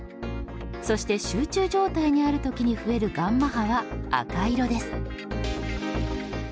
そして集中状態にある時に増えるγ波は赤色です。